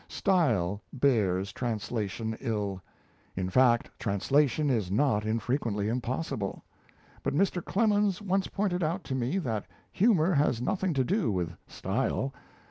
Style bears translation ill; in fact, translation is not infrequently impossible. But Mr. Clemens once pointed out to me that humour has nothing to do with style.